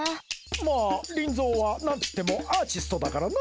まあリンゾーはなんつってもアーチストだからな。